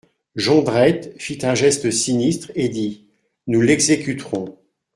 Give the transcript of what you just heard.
Jondrette fit un geste sinistre et dit : Nous l'exécuterons.